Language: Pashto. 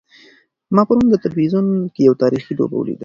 ما پرون په تلویزیون کې یوه تاریخي لوبه ولیده.